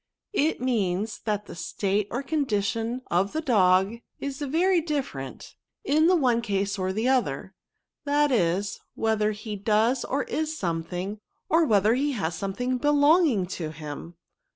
It means that the state or condition of the dog is very 140 NOUNS. different^ in the one case or the other ; that is, whether he does or m something, or whe ther he hds something belonging to him.